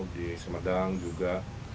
di semedang juga